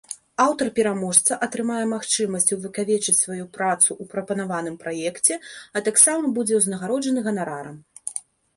Аўтар-пераможца атрымае магчымасць увекавечыць сваю працу ў прапанаваным праекце, а таксама будзе ўзнагароджаны ганарарам.